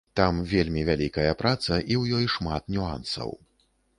Там вельмі вялікая праца, і ў ёй шмат нюансаў.